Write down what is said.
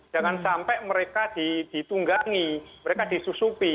jangan sampai mereka ditunggangi mereka disusupi